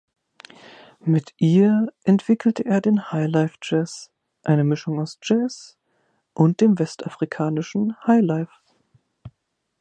Mit ihr entwickelte er den Highlife-Jazz, eine Mischung aus Jazz und dem westafrikanischen Highlife.